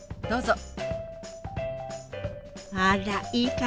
どうぞ。